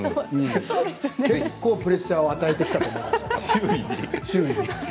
結構プレッシャーを与えてきたな周囲に。